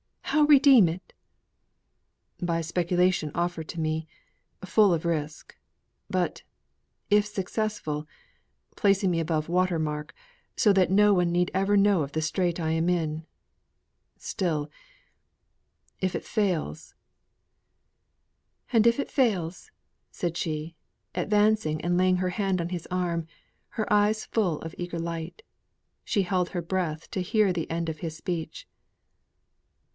How redeem it?" "By a speculation offered to me, but full of risk; but, if successful, placing me high above water mark, so that no one need ever know the strait I am in. Still, if it fails " "And if it fails," said she, advancing, and laying her hand on his arm, her eyes full of eager light. She held her breath to hear the end of his speech.